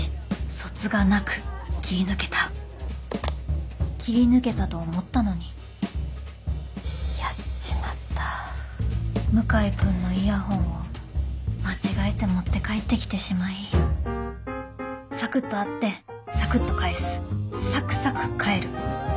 そつがなく切り抜けた切り抜けたと思ったのにやっちまった向井君のイヤホンを間違えて持って帰ってきてしまいさくっと会ってさくっと返すさくさく帰る